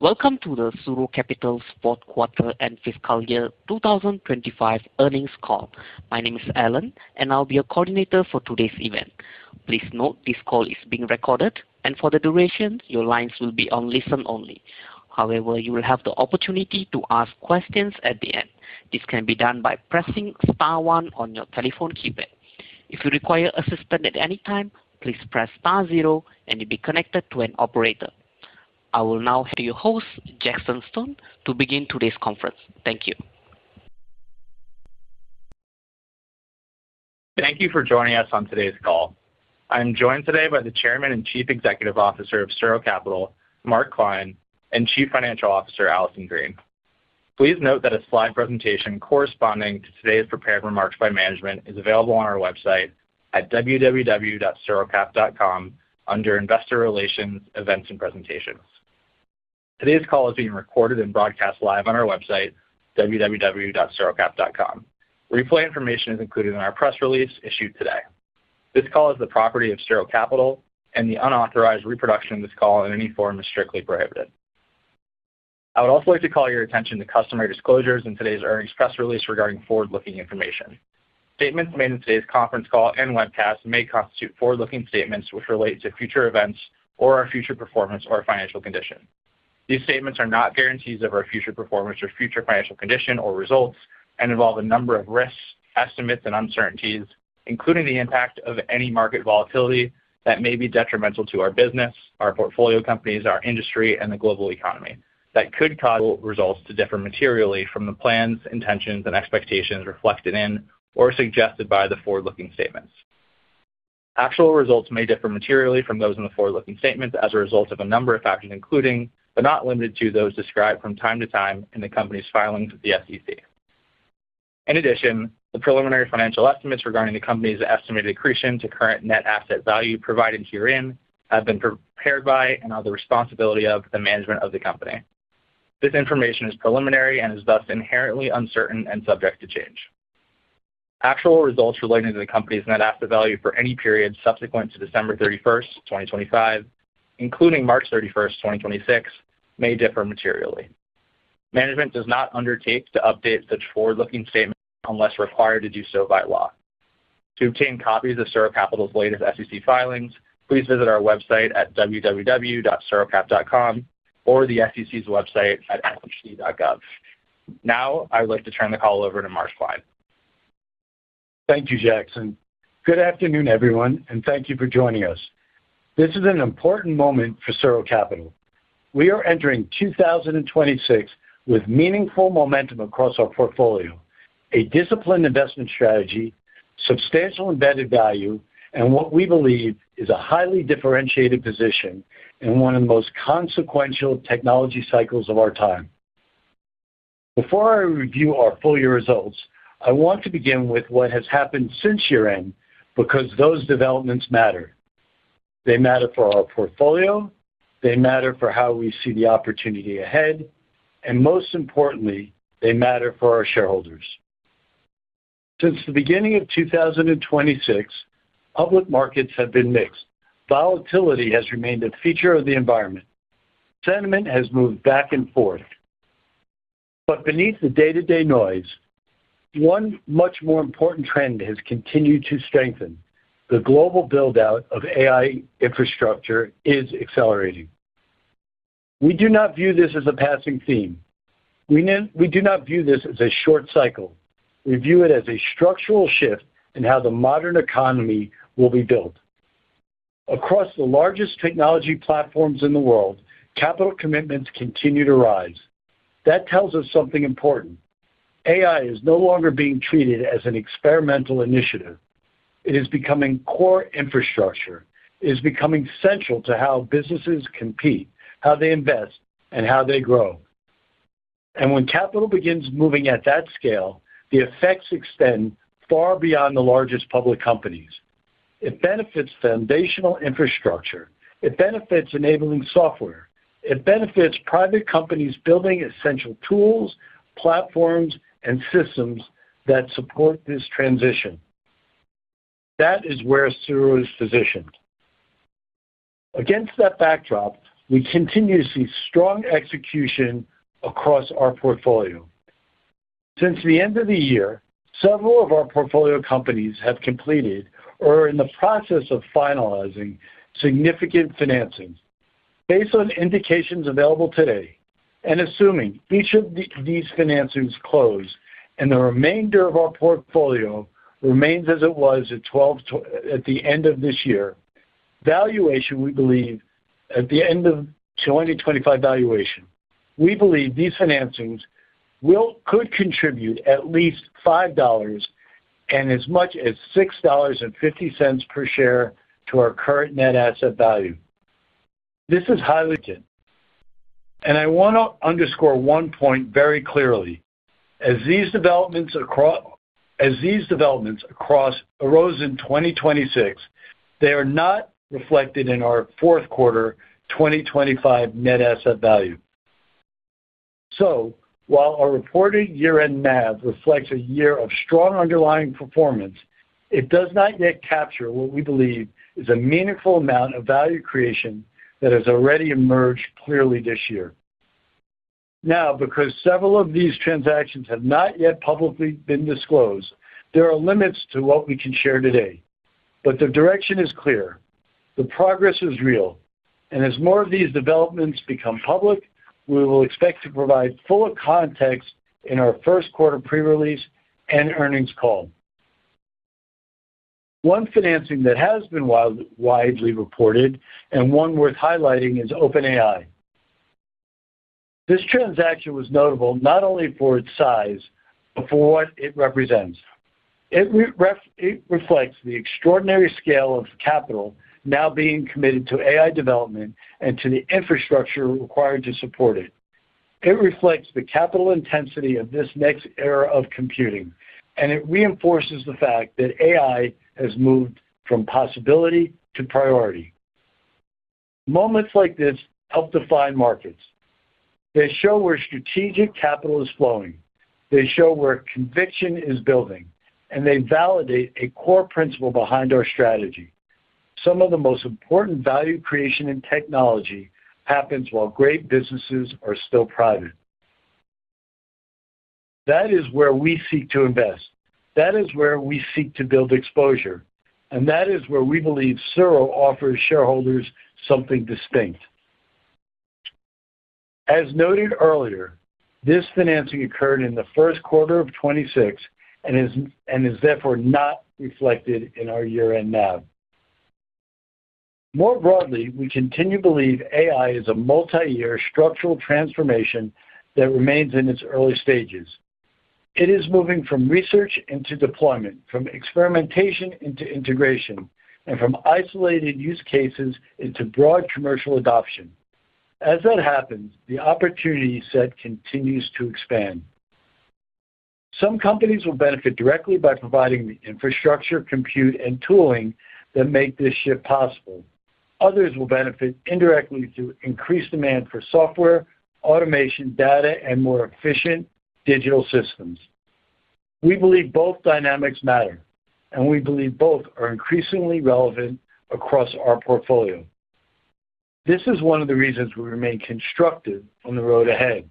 Welcome to the SuRo Capital fourth quarter and fiscal year 2025 earnings call. My name is Alan, and I'll be your coordinator for today's event. Please note this call is being recorded, and for the duration, your lines will be on listen-only. However, you will have the opportunity to ask questions at the end. This can be done by pressing star one on your telephone keypad. If you require assistance at any time, please press star zero, and you'll be connected to an operator. I will now turn the conference over to your host, Jackson Stone, to begin today's conference. Thank you. Thank you for joining us on today's call. I am joined today by the Chairman and Chief Executive Officer of SuRo Capital, Mark Klein, and Chief Financial Officer, Allison Green. Please note that a slide presentation corresponding to today's prepared remarks by management is available on our website at www.surocap.com under Investor Relations, Events and Presentations. Today's call is being recorded and broadcast live on our website, www.surocap.com. Replay information is included in our press release issued today. This call is the property of SuRo Capital and the unauthorized reproduction of this call in any form is strictly prohibited. I would also like to call your attention to cautionary disclosures in today's earnings press release regarding forward-looking information. Statements made in today's conference call and webcast may constitute forward-looking statements which relate to future events or our future performance or financial condition. These statements are not guarantees of our future performance or future financial condition or results, and involve a number of risks, estimates, and uncertainties, including the impact of any market volatility that may be detrimental to our business, our portfolio companies, our industry, and the global economy that could cause results to differ materially from the plans, intentions, and expectations reflected in or suggested by the forward-looking statements. Actual results may differ materially from those in the forward-looking statements as a result of a number of factors including, but not limited to, those described from time to time in the company's filings with the SEC. In addition, the preliminary financial estimates regarding the company's estimated accretion to current net asset value provided herein have been prepared by and are the responsibility of the management of the company. This information is preliminary and is thus inherently uncertain and subject to change. Actual results relating to the company's net asset value for any period subsequent to December 31st, 2025, including March 31st, 2026, may differ materially. Management does not undertake to update such forward-looking statements unless required to do so by law. To obtain copies of SuRo Capital's latest SEC filings, please visit our website at www.surocap.com or the SEC's website at sec.gov. Now I would like to turn the call over to Mark Klein. Thank you, Jackson. Good afternoon, everyone, and thank you for joining us. This is an important moment for SuRo Capital. We are entering 2026 with meaningful momentum across our portfolio, a disciplined investment strategy, substantial embedded value, and what we believe is a highly differentiated position in one of the most consequential technology cycles of our time. Before I review our full year results, I want to begin with what has happened since year-end because those developments matter. They matter for our portfolio, they matter for how we see the opportunity ahead, and most importantly, they matter for our shareholders. Since the beginning of 2026, public markets have been mixed. Volatility has remained a feature of the environment. Sentiment has moved back and forth. Beneath the day-to-day noise, one much more important trend has continued to strengthen. The global build out of AI infrastructure is accelerating. We do not view this as a passing theme. We do not view this as a short cycle. We view it as a structural shift in how the modern economy will be built. Across the largest technology platforms in the world, capital commitments continue to rise. That tells us something important. AI is no longer being treated as an experimental initiative. It is becoming core infrastructure. It is becoming central to how businesses compete, how they invest, and how they grow. When capital begins moving at that scale, the effects extend far beyond the largest public companies. It benefits foundational infrastructure. It benefits enabling software. It benefits private companies building essential tools, platforms, and systems that support this transition. That is where SuRo is positioned. Against that backdrop, we continue to see strong execution across our portfolio. Since the end of the year, several of our portfolio companies have completed or are in the process of finalizing significant financings. Based on indications available today and assuming each of these financings close and the remainder of our portfolio remains as it was at the end of this year, valuation we believe at the end of 2025 valuation, we believe these financings could contribute at least $5 and as much as $6.50 per share to our current net asset value. This is highlighted, and I wanna underscore one point very clearly. As these developments that arose in 2026, they are not reflected in our fourth quarter 2025 net asset value. While our reported year-end NAV reflects a year of strong underlying performance, it does not yet capture what we believe is a meaningful amount of value creation that has already emerged clearly this year. Now, because several of these transactions have not yet publicly been disclosed, there are limits to what we can share today. The direction is clear, the progress is real, and as more of these developments become public, we will expect to provide fuller context in our first quarter pre-release and earnings call. One financing that has been widely reported and one worth highlighting is OpenAI. This transaction was notable not only for its size, but for what it represents. It reflects the extraordinary scale of capital now being committed to AI development and to the infrastructure required to support it. It reflects the capital intensity of this next era of computing, and it reinforces the fact that AI has moved from possibility to priority. Moments like this help define markets. They show where strategic capital is flowing. They show where conviction is building, and they validate a core principle behind our strategy. Some of the most important value creation in technology happens while great businesses are still private. That is where we seek to invest. That is where we seek to build exposure. That is where we believe SuRo offers shareholders something distinct. As noted earlier, this financing occurred in the first quarter of 2026 and is therefore not reflected in our year-end NAV. More broadly, we continue to believe AI is a multi-year structural transformation that remains in its early stages. It is moving from research into deployment, from experimentation into integration, and from isolated use cases into broad commercial adoption. As that happens, the opportunity set continues to expand. Some companies will benefit directly by providing the infrastructure, compute, and tooling that make this shift possible. Others will benefit indirectly through increased demand for software, automation, data, and more efficient digital systems. We believe both dynamics matter, and we believe both are increasingly relevant across our portfolio. This is one of the reasons we remain constructive on the road ahead.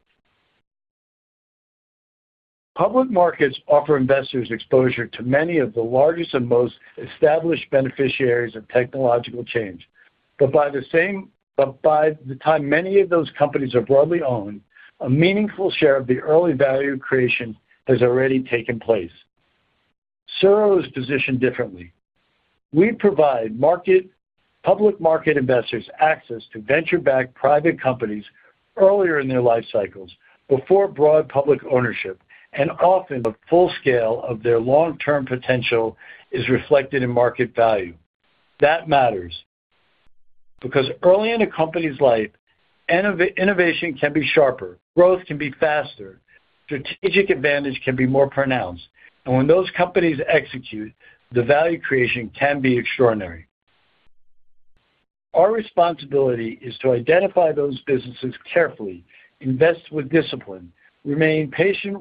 Public markets offer investors exposure to many of the largest and most established beneficiaries of technological change. by the time many of those companies are broadly owned, a meaningful share of the early value creation has already taken place. SuRo is positioned differently. We provide public market investors access to venture-backed private companies earlier in their life cycles before broad public ownership, and often the full scale of their long-term potential is reflected in market value. That matters because early in a company's life, innovation can be sharper, growth can be faster, strategic advantage can be more pronounced. When those companies execute, the value creation can be extraordinary. Our responsibility is to identify those businesses carefully, invest with discipline, remain patient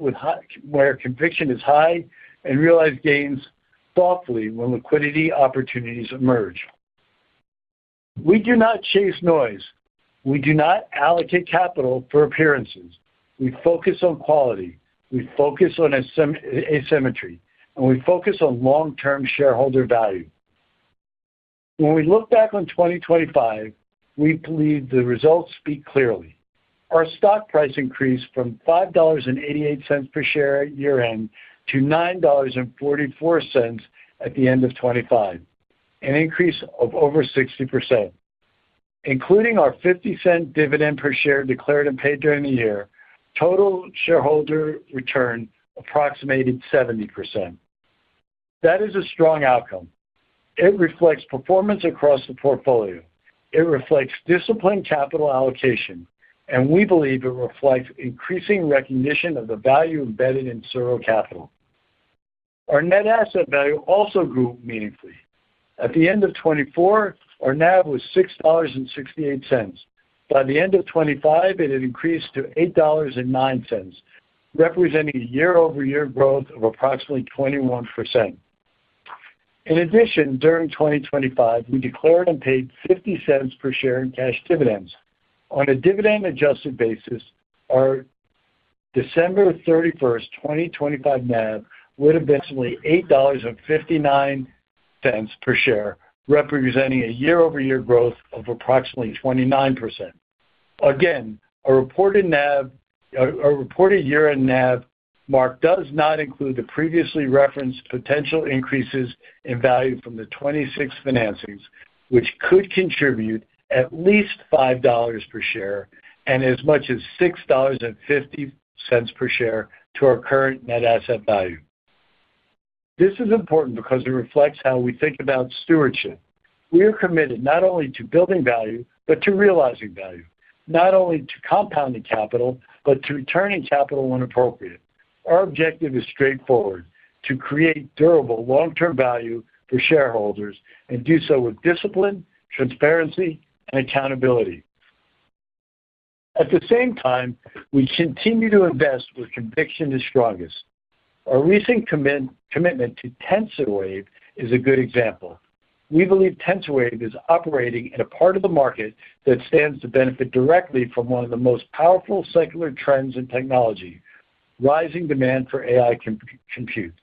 where conviction is high, and realize gains thoughtfully when liquidity opportunities emerge. We do not chase noise. We do not allocate capital for appearances. We focus on quality, we focus on asymmetry, and we focus on long-term shareholder value. When we look back on 2025, we believe the results speak clearly. Our stock price increased from $5.88 per share at year-end to $9.44 at the end of 2025, an increase of over 60%. Including our $0.50 dividend per share declared and paid during the year, total shareholder return approximated 70%. That is a strong outcome. It reflects performance across the portfolio. It reflects disciplined capital allocation, and we believe it reflects increasing recognition of the value embedded in SuRo Capital. Our net asset value also grew meaningfully. At the end of 2024, our NAV was $6.68. By the end of 2025, it had increased to $8.09, representing a year-over-year growth of approximately 21%. In addition, during 2025, we declared and paid $0.50 per share in cash dividends. On a dividend adjusted basis, our December 31st, 2025 NAV would have been $8.59 per share, representing a year-over-year growth of approximately 29%. Again, our reported year-end NAV mark does not include the previously referenced potential increases in value from the 2026 financings, which could contribute at least $5 per share and as much as $6.50 per share to our current net asset value. This is important because it reflects how we think about stewardship. We are committed not only to building value but to realizing value, not only to compounding capital but to returning capital when appropriate. Our objective is straightforward, to create durable long-term value for shareholders and do so with discipline, transparency, and accountability. At the same time, we continue to invest where conviction is strongest. Our recent commitment to TensorWave is a good example. We believe TensorWave is operating in a part of the market that stands to benefit directly from one of the most powerful secular trends in technology, rising demand for AI compute.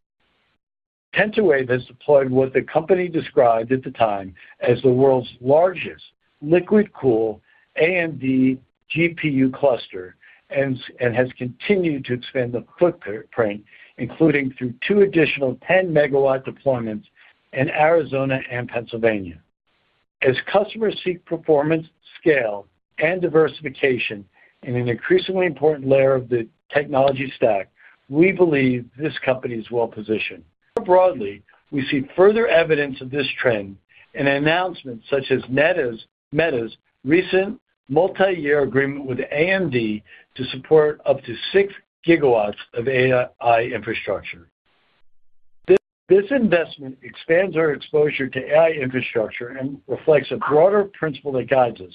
TensorWave has deployed what the company described at the time as the world's largest liquid cool AMD GPU cluster and has continued to expand the footprint, including through two additional 10-megawatt deployments in Arizona and Pennsylvania. As customers seek performance, scale, and diversification in an increasingly important layer of the technology stack, we believe this company is well-positioned. More broadly, we see further evidence of this trend in announcements such as Meta's recent multi-year agreement with AMD to support up to 6 GW of AI infrastructure. This investment expands our exposure to AI infrastructure and reflects a broader principle that guides us.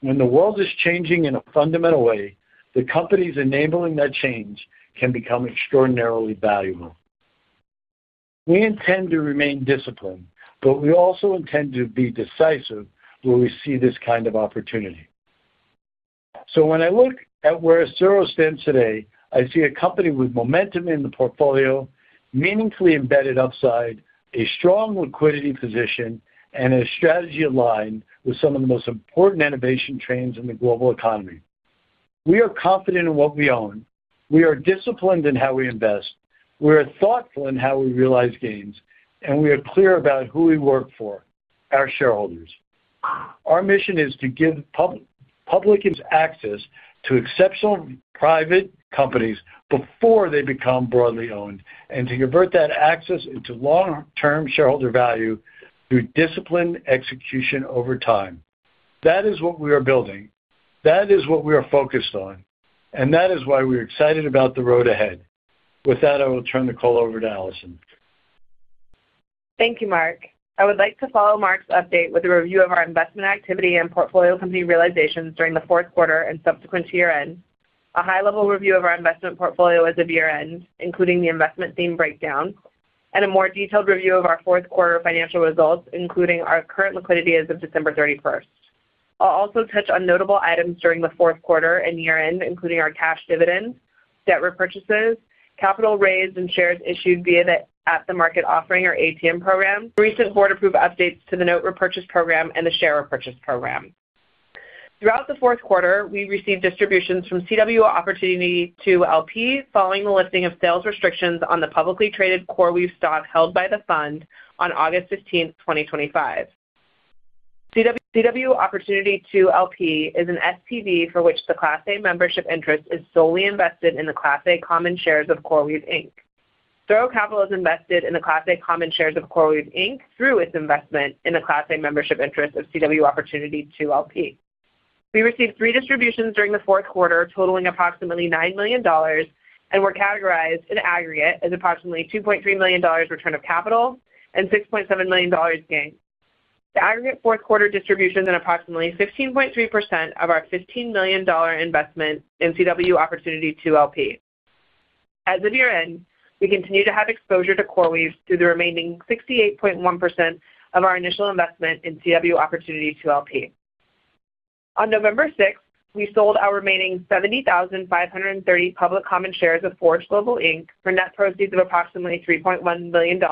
When the world is changing in a fundamental way, the companies enabling that change can become extraordinarily valuable. We intend to remain disciplined, but we also intend to be decisive where we see this kind of opportunity. When I look at where SuRo stands today, I see a company with momentum in the portfolio, meaningfully embedded upside, a strong liquidity position, and a strategy aligned with some of the most important innovation trends in the global economy. We are confident in what we own. We are disciplined in how we invest. We are thoughtful in how we realize gains, and we are clear about who we work for, our shareholders. Our mission is to give public its access to exceptional private companies before they become broadly owned, and to convert that access into long-term shareholder value through disciplined execution over time. That is what we are building. That is what we are focused on, and that is why we're excited about the road ahead. With that, I will turn the call over to Allison. Thank you, Mark. I would like to follow Mark's update with a review of our investment activity and portfolio company realizations during the fourth quarter and subsequent to year-end. A high-level review of our investment portfolio as of year-end, including the investment theme breakdown and a more detailed review of our fourth quarter financial results, including our current liquidity as of December 31st. I'll also touch on notable items during the fourth quarter and year-end, including our cash dividends, debt repurchases, capital raised, and shares issued via the at-the-market offering or ATM program, recent board-approved updates to the note repurchase program, and the share repurchase program. Throughout the fourth quarter, we received distributions from CW Opportunity 2 LP following the lifting of sales restrictions on the publicly traded CoreWeave stock held by the fund on August 15th, 2025. CW Opportunity 2 LP is an SPV for which the Class A membership interest is solely invested in the Class A common shares of CoreWeave, Inc. SuRo Capital is invested in the Class A common shares of CoreWeave, Inc. through its investment in the Class A membership interest of CW Opportunity 2 LP. We received three distributions during the fourth quarter, totaling approximately $9 million and were categorized in aggregate as approximately $2.3 million return of capital and $6.7 million gain. The aggregate fourth quarter distribution is approximately 15.3% of our $15 million investment in CW Opportunity 2 LP. As of year-end, we continue to have exposure to CoreWeave through the remaining 68.1% of our initial investment in CW Opportunity 2 LP. On November 6th, we sold our remaining 70,500 public common shares of Forge Global Holdings, Inc. for net proceeds of approximately $3.1 million,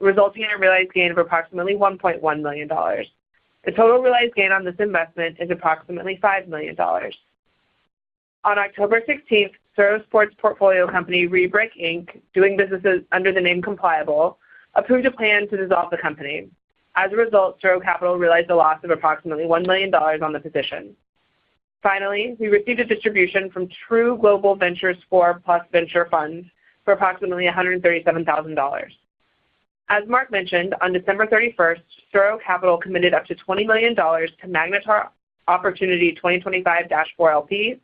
resulting in a realized gain of approximately $1.1 million. The total realized gain on this investment is approximately $5 million. On October 16th, SuRo's sports portfolio company, Rebric, Inc., doing business under the name Compliable, approved a plan to dissolve the company. As a result, SuRo Capital realized a loss of approximately $1 million on the position. Finally, we received a distribution from True Global Ventures 4 Plus Fund for approximately $137,000. As Mark mentioned, on December 31st, SuRo Capital committed up to $20 million to Magnetar Opportunity 2025-4 LP,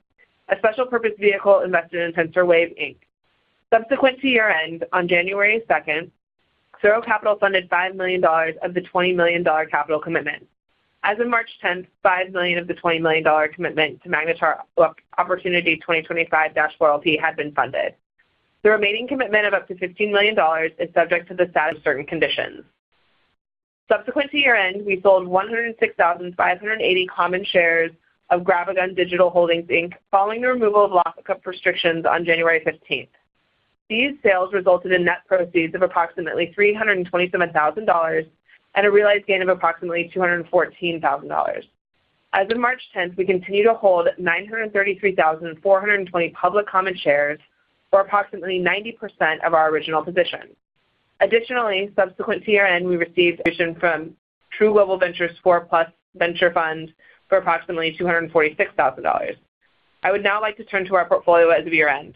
a special purpose vehicle invested in TensorWave Inc. Subsequent to year-end, on January 2nd, SuRo Capital funded $5 million of the $20 million capital commitment. As of March 10th, $5 million of the $20 million commitment to Magnetar Opportunity 2025-4 LP had been funded. The remaining commitment of up to $15 million is subject to the satisfaction of certain conditions. Subsequent to year-end, we sold 106,580 common shares of GrabAGun Digital Holdings, Inc. following the removal of lock-up restrictions on January 15th. These sales resulted in net proceeds of approximately $327,000 and a realized gain of approximately $214,000. As of March 10th, we continue to hold 933,420 public common shares, or approximately 90% of our original position. Additionally, subsequent to year-end, we received a distribution from True Global Ventures 4 Plus Fund for approximately $246,000. I would now like to turn to our portfolio as of year-end.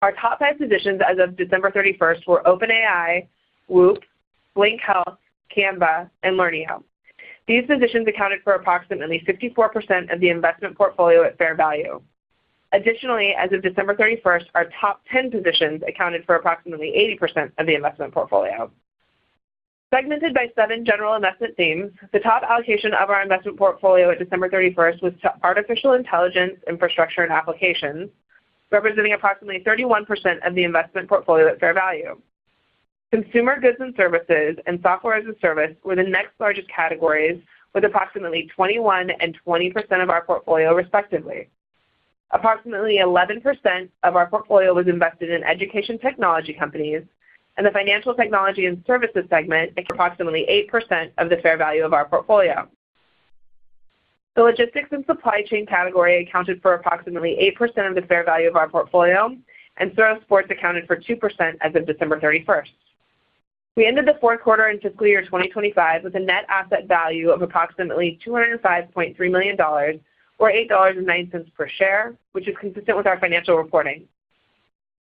Our top five positions as of December 31st were OpenAI, Whoop, Blink Health, Canva, and Learneo. These positions accounted for approximately 54% of the investment portfolio at fair value. Additionally, as of December 31st, our top 10 positions accounted for approximately 80% of the investment portfolio. Segmented by seven general investment themes, the top allocation of our investment portfolio at December 31st was to artificial intelligence infrastructure and applications, representing approximately 31% of the investment portfolio at fair value. Consumer goods and services and software as a service were the next largest categories, with approximately 21% and 20% of our portfolio respectively. Approximately 11% of our portfolio was invested in education technology companies, and the financial technology and services segment approximately 8% of the fair value of our portfolio. The logistics and supply chain category accounted for approximately 8% of the fair value of our portfolio, and SuRo Sports accounted for 2% as of December 31st. We ended the fourth quarter in fiscal year 2025 with a net asset value of approximately $205.3 million or $8.09 per share, which is consistent with our financial reporting.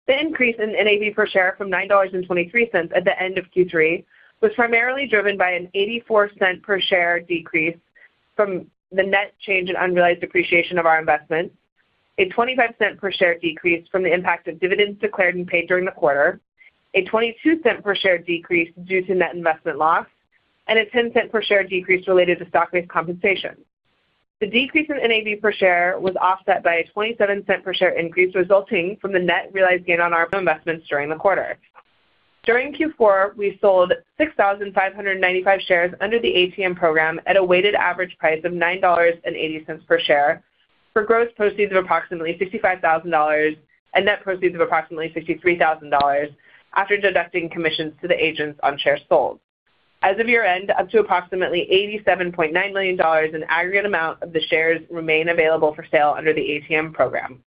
The increase in NAV per share from $9.23 at the end of Q3 was primarily driven by a $0.84 per share decrease from the net change in unrealized appreciation of our investments, a $0.25 per share decrease from the impact of dividends declared and paid during the quarter, a $0.22 per share decrease due to net investment loss, and a $0.10 per share decrease related to stock-based compensation. The decrease in NAV per share was offset by a $0.27 per share increase resulting from the net realized gain on our investments during the quarter. During Q4, we sold 6,595 shares under the ATM program at a weighted average price of $9.80 per share for gross proceeds of approximately $55,000 and net proceeds of approximately $63,000 after deducting commissions to the agents on shares sold. As of year-end, up to approximately $87.9 million in aggregate amount of the shares remain available for sale under the ATM program.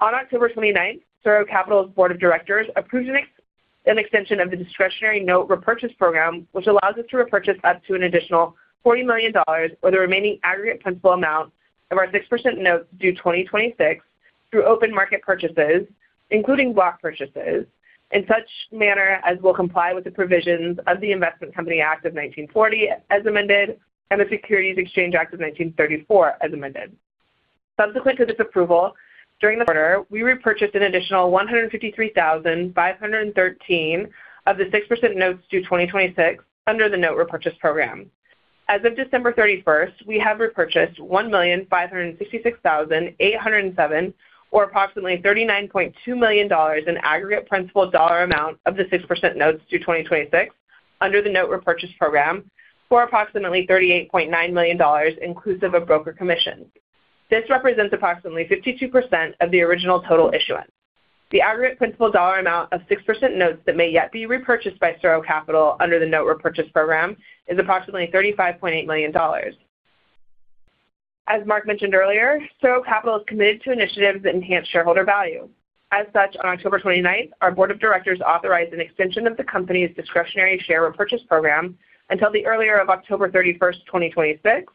On October 29th, SuRo Capital's board of directors approved an extension of the discretionary note repurchase program, which allows us to repurchase up to an additional $40 million or the remaining aggregate principal amount of our 6% notes due 2026 through open market purchases, including block purchases, in such manner as will comply with the provisions of the Investment Company Act of 1940 as amended and the Securities Exchange Act of 1934 as amended. Subsequent to this approval, during the quarter, we repurchased an additional 153,513 of the 6% notes due 2026 under the note repurchase program. As of December 31st, we have repurchased 1,566,807 or approximately $39.2 million in aggregate principal dollar amount of the 6% notes due 2026 under the note repurchase program for approximately $38.9 million inclusive of broker commissions. This represents approximately 52% of the original total issuance. The aggregate principal dollar amount of 6% notes that may yet be repurchased by SuRo Capital under the note repurchase program is approximately $35.8 million. As Mark mentioned earlier, SuRo Capital is committed to initiatives that enhance shareholder value. As such, on October 29th, our board of directors authorized an extension of the company's discretionary share repurchase program until the earlier of October 31st, 2026,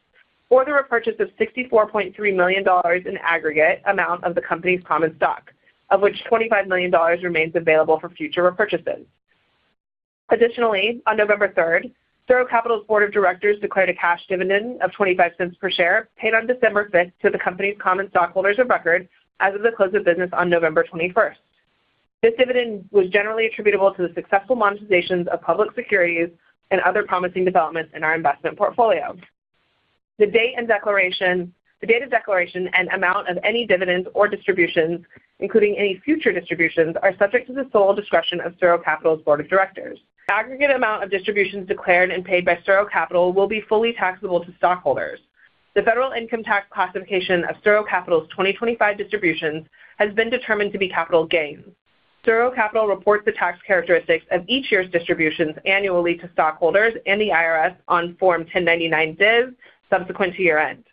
for the repurchase of $64.3 million in aggregate amount of the company's common stock, of which $25 million remains available for future repurchases. Additionally, on November 3rd, SuRo Capital's board of directors declared a cash dividend of $0.25 per share paid on December 5th to the company's common stockholders of record as of the close of business on November 21st. This dividend was generally attributable to the successful monetizations of public securities and other promising developments in our investment portfolio. The date of declaration and amount of any dividends or distributions, including any future distributions, are subject to the sole discretion of SuRo Capital's board of directors. Aggregate amount of distributions declared and paid by SuRo Capital will be fully taxable to stockholders. The federal income tax classification of SuRo Capital's 2025 distributions has been determined to be capital gains. SuRo Capital reports the tax characteristics of each year's distributions annually to stockholders and the IRS on Form 1099-DIV subsequent to year-end.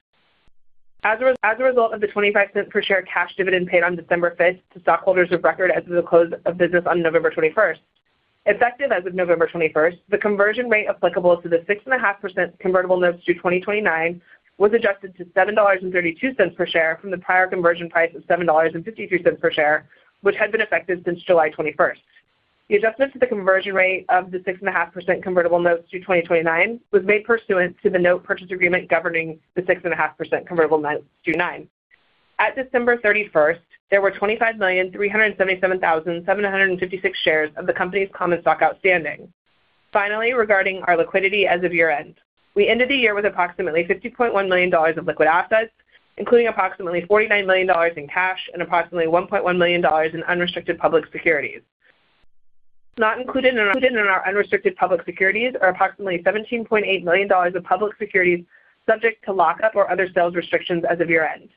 As a result of the $0.25 per share cash dividend paid on December 5th to stockholders of record as of the close of business on November 21st. Effective as of November 21st, the conversion rate applicable to the 6.5% convertible notes due 2029 was adjusted to $7.32 per share from the prior conversion price of $7.52 per share, which had been effective since July 21st. The adjustment to the conversion rate of the 6.5% convertible notes due 2029 was made pursuant to the note purchase agreement governing the 6.5% convertible notes due 2029. At December 31st, there were 25,377,756 shares of the company's common stock outstanding. Finally, regarding our liquidity as of year-end, we ended the year with approximately $50.1 million of liquid assets, including approximately $49 million in cash and approximately $1.1 million in unrestricted public securities. Not included in our unrestricted public securities are approximately $17.8 million of public securities subject to lockup or other sales restrictions as of year-end.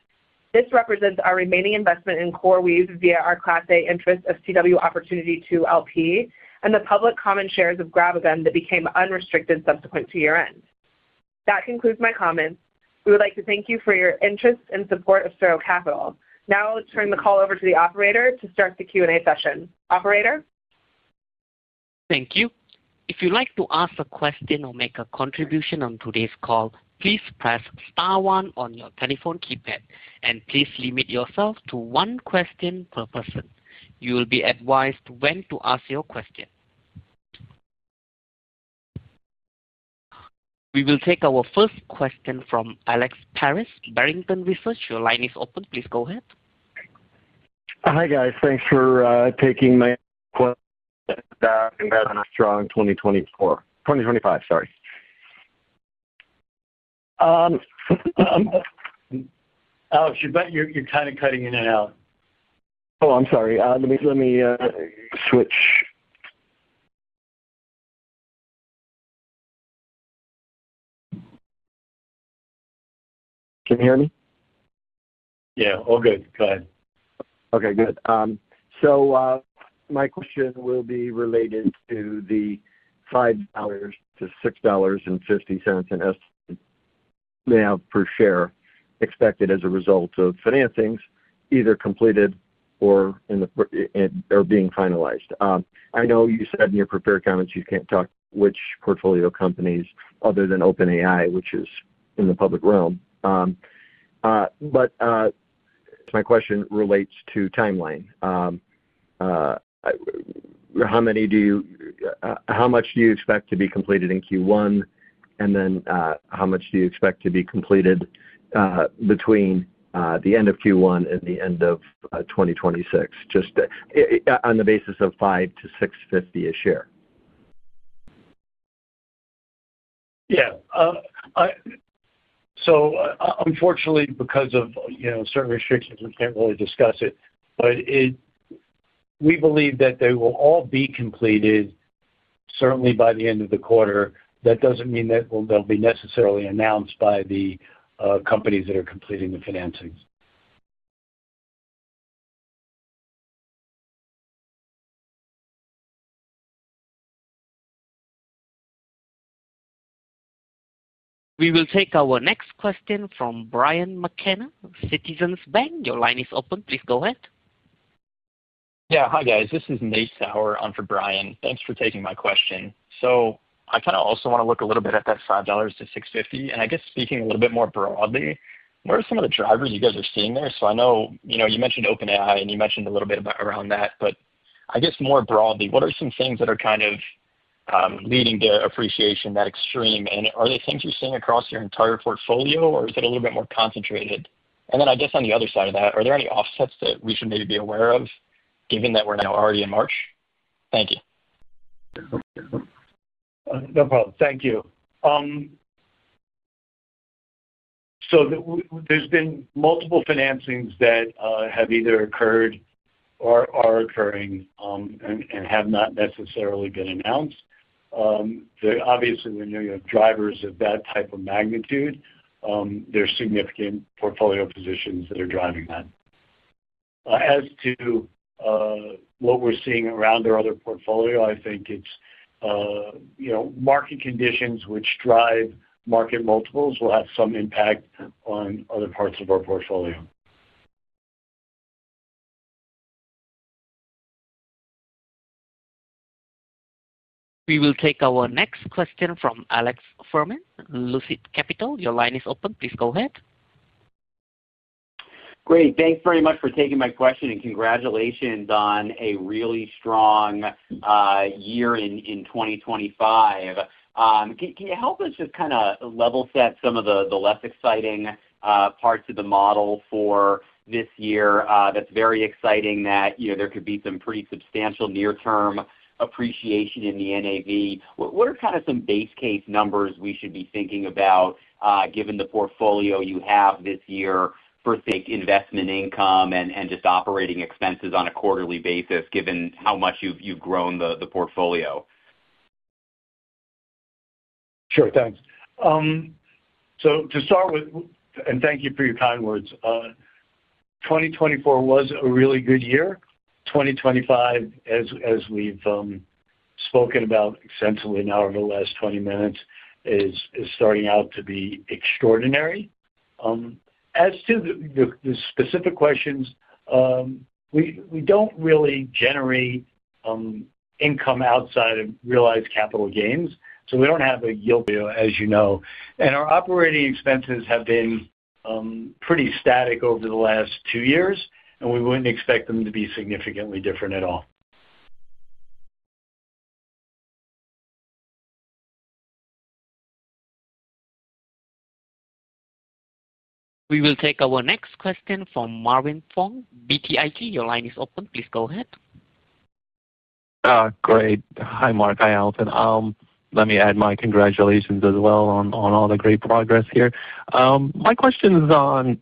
This represents our remaining investment in CoreWeave via our Class A interest of CW Opportunity 2 LP and the public common shares of GrabAGun that became unrestricted subsequent to year-end. That concludes my comments. We would like to thank you for your interest and support of SuRo Capital. Now let's turn the call over to the operator to start the Q&A session. Operator? Thank you. If you'd like to ask a question or make a contribution on today's call, please press star one on your telephone keypad, and please limit yourself to one question per person. You will be advised when to ask your question. We will take our first question from Alex Paris, Barrington Research. Your line is open. Please go ahead. Hi, guys. Thanks for taking my 2024. 2025, sorry. Alex, you're kind of cutting in and out. Oh, I'm sorry. Let me switch. Can you hear me? Yeah, all good. Go ahead. Okay, good. My question will be related to the $5 to $6.50 in estimates per share expected as a result of financings either completed or being finalized. I know you said in your prepared comments you can't talk about which portfolio companies other than OpenAI, which is in the public realm. But my question relates to timeline. How much do you expect to be completed in Q1? And then, how much do you expect to be completed between the end of Q1 and the end of 2026? Just on the basis of $5-$6.50 a share. Unfortunately, because of, you know, certain restrictions, we can't really discuss it, but we believe that they will all be completed certainly by the end of the quarter. That doesn't mean that they'll be necessarily announced by the companies that are completing the financings. We will take our next question from Brian McKenna, Citizens Bank. Your line is open. Please go ahead. Yeah. Hi, guys. This is Nate Sauer on for Brian. Thanks for taking my question. I kind of also want to look a little bit at that $5-$6.50. I guess speaking a little bit more broadly, what are some of the drivers you guys are seeing there? I know, you know, you mentioned OpenAI, and you mentioned a little bit around that, but I guess more broadly, what are some things that are kind of leading the appreciation that extreme? Are they things you're seeing across your entire portfolio or is it a little bit more concentrated? Then I guess on the other side of that, are there any offsets that we should maybe be aware of given that we're now already in March? Thank you. No problem. Thank you. There's been multiple financings that have either occurred or are occurring, and have not necessarily been announced. Obviously, when you have drivers of that type of magnitude, there are significant portfolio positions that are driving that. As to what we're seeing around our other portfolio, I think it's you know, market conditions which drive market multiples will have some impact on other parts of our portfolio. We will take our next question from Alex Fuhrman, Lucid Capital. Your line is open. Please go ahead. Great. Thanks very much for taking my question, and congratulations on a really strong year in 2025. Can you help us just kinda level set some of the less exciting parts of the model for this year? That's very exciting that, you know, there could be some pretty substantial near-term appreciation in the NAV. What are kind of some base case numbers we should be thinking about, given the portfolio you have this year for, say, investment income and just operating expenses on a quarterly basis, given how much you've grown the portfolio? Sure. Thanks. Thank you for your kind words. 2024 was a really good year. 2025, as we've spoken about extensively now over the last 20 minutes, is starting out to be extraordinary. As to the specific questions, we don't really generate income outside of realized capital gains, so we don't have a yield, as you know. Our operating expenses have been pretty static over the last two years, and we wouldn't expect them to be significantly different at all. We will take our next question from Marvin Fong, BTIG. Your line is open. Please go ahead. Great. Hi, Mark. Hi, Allison. Let me add my congratulations as well on all the great progress here. My question is on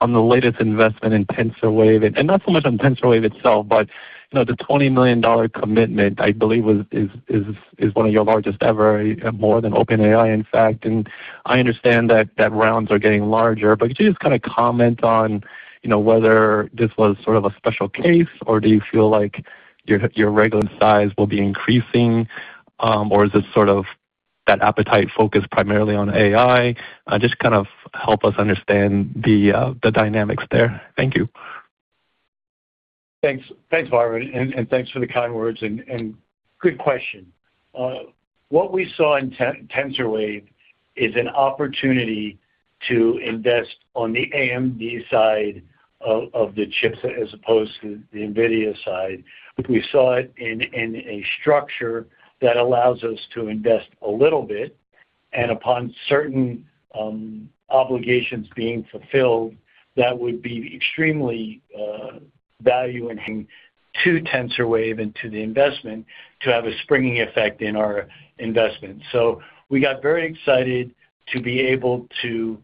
the latest investment in TensorWave. Not so much on TensorWave itself, but you know, the $20 million commitment, I believe is one of your largest ever, more than OpenAI, in fact. I understand that rounds are getting larger, but could you just kinda comment on you know, whether this was sort of a special case, or do you feel like your regular size will be increasing? Or is it sort of that appetite focused primarily on AI? Just kind of help us understand the dynamics there. Thank you. Thanks. Thanks, Marvin, and thanks for the kind words and good question. What we saw in TensorWave is an opportunity to invest on the AMD side of the chips as opposed to the NVIDIA side. We saw it in a structure that allows us to invest a little bit, and upon certain obligations being fulfilled, that would be extremely value and bang to TensorWave and to the investment to have a springing effect in our investment. We got very excited to be able to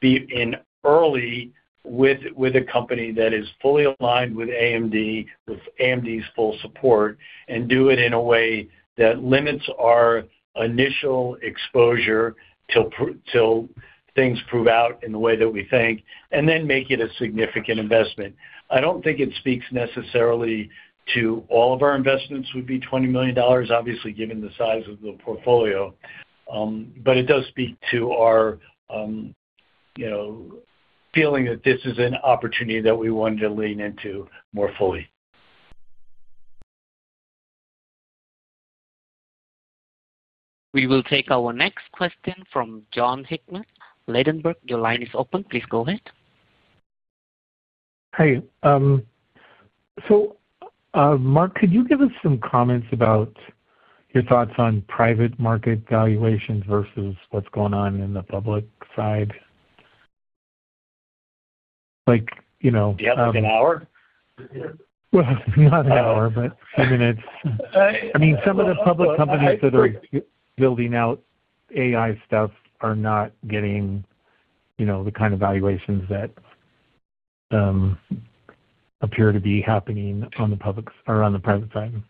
be in early with a company that is fully aligned with AMD, with AMD's full support, and do it in a way that limits our initial exposure till things prove out in the way that we think, and then make it a significant investment. I don't think it speaks necessarily to all of our investments would be $20 million, obviously, given the size of the portfolio. It does speak to our, you know, feeling that this is an opportunity that we wanted to lean into more fully. We will take our next question from Jon Hickman. Ladenburg, your line is open. Please go ahead. Hey. Mark, could you give us some comments about your thoughts on private market valuations versus what's going on in the public side? Like, you know, Do you have, like, an hour? Not an hour, but a few minutes. I mean, some of the public companies that are building out AI stuff are not getting, you know, the kind of valuations that appear to be happening on the private side.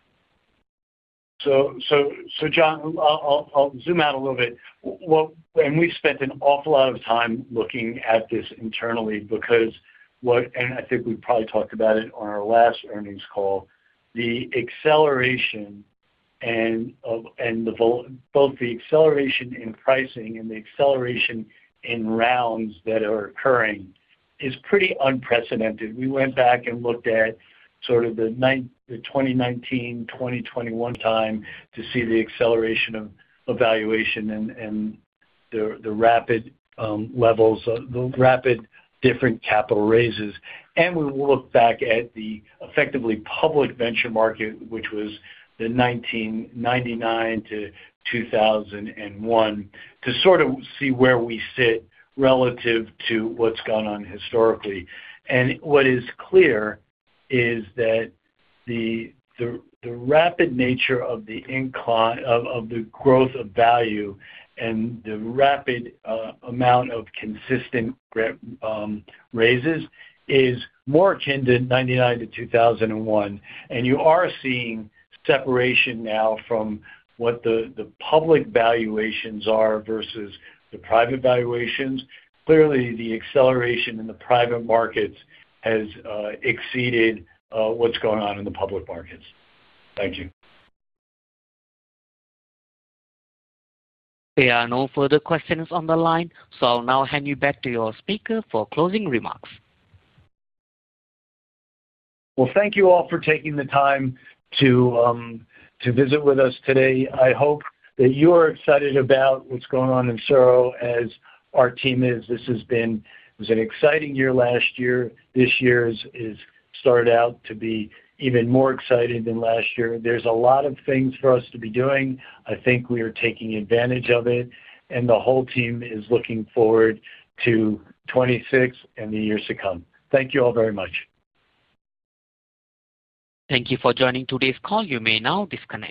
Jon, I'll zoom out a little bit. We spent an awful lot of time looking at this internally because what I think we probably talked about it on our last earnings call. The acceleration both the acceleration in pricing and the acceleration in rounds that are occurring is pretty unprecedented. We went back and looked at sort of the 2019-2021 time to see the acceleration of valuation and the rapid different capital raises. We looked back at the effectively public venture market, which was the 1999-2001, to sort of see where we sit relative to what's gone on historically. What is clear is that the rapid nature of the growth of value and the rapid amount of consistent raises is more akin to 1999-2001. You are seeing separation now from what the public valuations are versus the private valuations. Clearly, the acceleration in the private markets has exceeded what's going on in the public markets. Thank you. There are no further questions on the line, so I'll now hand you back to your speaker for closing remarks. Well, thank you all for taking the time to visit with us today. I hope that you're excited about what's going on in SuRo as our team is. It was an exciting year last year. This year started out to be even more exciting than last year. There's a lot of things for us to be doing. I think we are taking advantage of it, and the whole team is looking forward to 2026 and the years to come. Thank you all very much. Thank you for joining today's call. You may now disconnect.